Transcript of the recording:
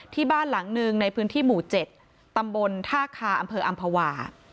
ที่บ้านหลังหนึ่งในพื้นที่หมู่๗ตำบลท่าคาอำเภออำภาวา